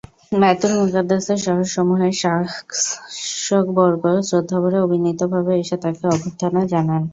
বায়তুল মুকাদ্দাসের শহরসমূহের শাসকবর্গ শ্রদ্ধাভরে ও বিনীতভাবে এসে তাকে অভ্যর্থনা জানান।